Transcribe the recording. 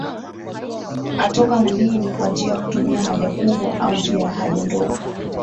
atoka mwilini kwa njia ya kutumia haja kubwa au njia ya haja ndogo